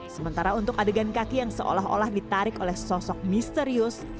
sementara untuk adegan kaki yang seolah olah ditarik oleh sosok misterius